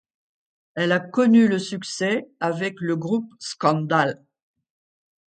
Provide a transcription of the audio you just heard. Elle a connu le succès avec le groupe Scandal.